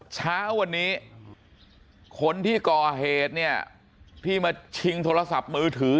เช้าวันนี้คนที่ก่อเหตุเนี่ยที่มาชิงโทรศัพท์มือถือ